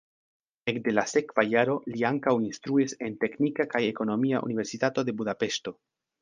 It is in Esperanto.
Ekde la sekva jaro li ankaŭ instruis en Teknika kaj Ekonomia Universitato de Budapeŝto.